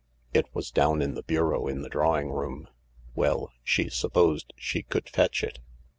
It was down in the bureau in the drawing room. Well, she supposed she could fetch it.